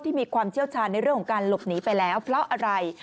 มีความเชี่ยวชาญในเรื่องของการหลบหนีไปแล้วเพราะอะไร